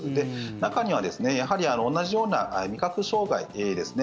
中には、やはり同じような味覚障害ですね。